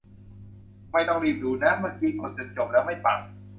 ไม่ต้องรีบดูนะ เมื่อกี้กดจนจบแล้ว ไม่ปัง